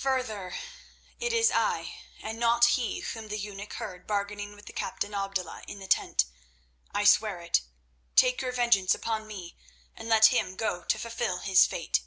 Further, it is I and not he whom the eunuch heard bargaining with the captain Abdullah in the tent—I swear it. Take your vengeance upon me, and let him go to fulfil his fate."